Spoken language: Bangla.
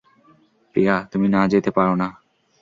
প্রিয়া, তুমি না যেতে পারো না।